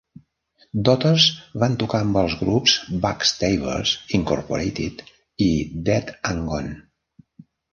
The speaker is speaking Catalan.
Daughters van tocar amb els grups Backstabbers Incorporated i Dead and Gone.